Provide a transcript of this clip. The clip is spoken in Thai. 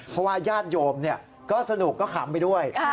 เพราะว่าญาติโยมก็สนุกก็ขำไปด้วย